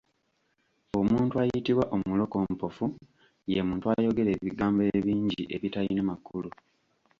Omuntu ayitibwa omulokompofu, ye muntu ayogera ebigambo ebingi ebitalina makulu.